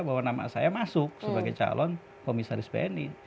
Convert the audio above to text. bahwa nama saya masuk sebagai calon komisaris bni